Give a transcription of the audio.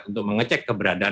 untuk mengecek keberadaan